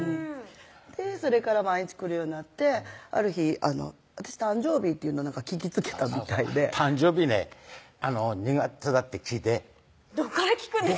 それから毎日来るようになってある日私誕生日っていうのを聞きつけたみたいで誕生日ね２月だって聞いてどこから聞くんですか？